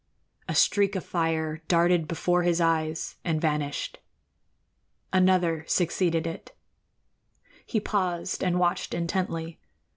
A streak of fire darted before his eyes and vanished. Another succeeded it. He paused and watched intently.